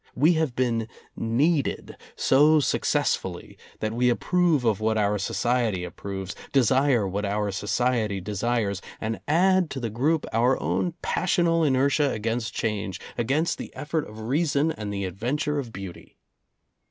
We have been kneaded so successfully that we ap prove of what our society approves, desire what our society desires, and add to the group our own passional inertia against change, against the effort of reason, and the adventure of beauty.